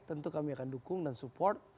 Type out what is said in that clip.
tentu kami akan dukung dan support